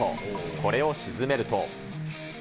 これを沈めると。